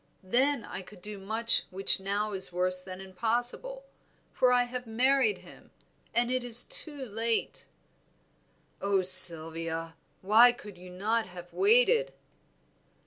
Then I could do much which now is worse than impossible, for I have married him, and it is too late." "Oh, Sylvia! why could you not have waited?"